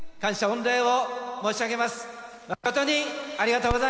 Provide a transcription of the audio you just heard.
御礼を申し上げます。